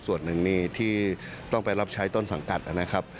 ส่วนหนึ่งนี่ที่ต้องไปรับใช้ต้นสังกัดนะครับ